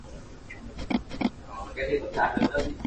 Shortly afterward, Delirium appears, followed by Despair.